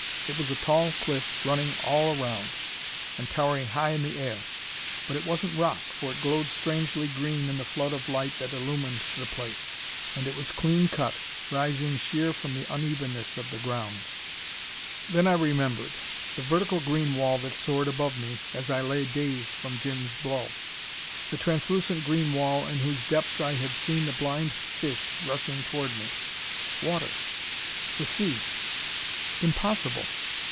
It was a tall cliff, running all around, and towering high in the air. But it wasn't rock, for it glowed strangely green in the flood of light that illumined the place. And it was clean cut, rising sheer from the unevenness of the ground. Then I remembered. The vertical green wall that soared above me as I lay dazed from Jim's blow. The translucent green wall in whose depths I had seen the blind fish rushing toward me. Water! The sea! Impossible!